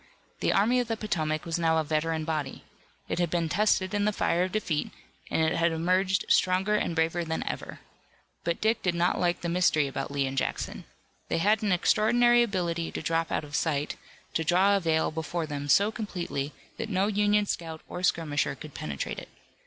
The Army of the Potomac was now a veteran body. It had been tested in the fire of defeat, and it had emerged stronger and braver than ever. But Dick did not like the mystery about Lee and Jackson. They had an extraordinary ability to drop out of sight, to draw a veil before them so completely that no Union scout or skirmisher could penetrate it.